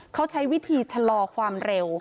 เขาใช้วิธีชะลอความเร็ว